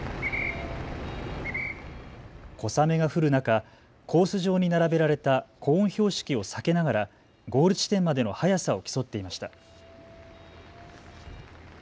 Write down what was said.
小雨が降る中、コース上に並べられたコーン標識を避けながらゴール地点までの速さを競っていました。